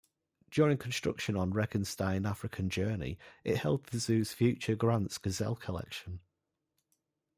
During construction on Regenstein African Journey, it held the zoo's future Grant's gazelle collection.